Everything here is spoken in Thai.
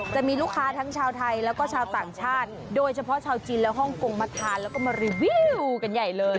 จะมีลูกค้าทั้งชาวไทยแล้วก็ชาวต่างชาติโดยเฉพาะชาวจีนและฮ่องกงมาทานแล้วก็มารีวิวกันใหญ่เลย